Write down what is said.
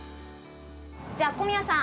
じゃあ小宮さん